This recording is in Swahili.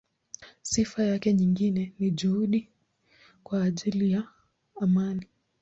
Sifa yake nyingine ni juhudi kwa ajili ya amani.